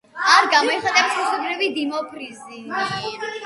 არ გამოიხატება სქესობრივი დიმორფიზმი.